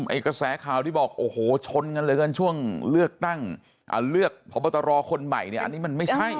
ไอ้กระแสข่าวที่บอกโอ้โหชนกันเหลือเกินช่วงเลือกตั้งเลือกพบตรคนใหม่เนี่ยอันนี้มันไม่ใช่